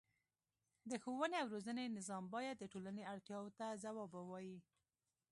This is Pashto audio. د ښوونې او روزنې نظام باید د ټولنې اړتیاوو ته ځواب ووايي.